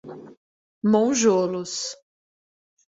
Monjolos